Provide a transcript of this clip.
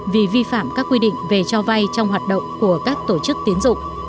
vì vi phạm các quy định về cho vay trong hoạt động của các tổ chức tiến dụng